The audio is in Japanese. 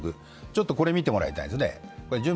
ちょっとこれを見てもらいたいですね。